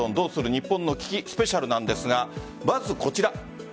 日本の危機ＳＰなんですがまずこちら。